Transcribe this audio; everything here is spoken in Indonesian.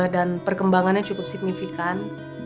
dan perkembangannya cukup signifikan